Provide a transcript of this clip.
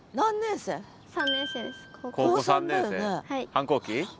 反抗期？